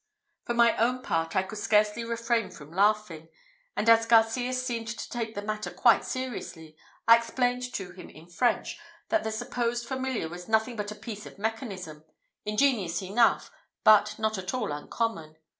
For my own part, I could scarcely refrain from laughing; and as Garcias seemed to take the matter quite seriously, I explained to him in French that the supposed familiar was nothing but a piece of mechanism, ingenious enough, but not at all uncommon.